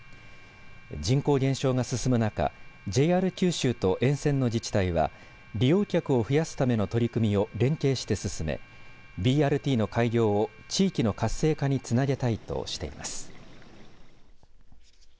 人口減少が進む中ＪＲ九州と沿線の自治体は利用客を増やすための取り組みを連携して進めＢＲＴの開業を地域の活性化につなげたいとしています。